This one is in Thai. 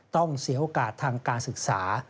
ต้องเสียโอกาสทางการศึกษา